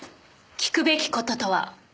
聞くべき事とは？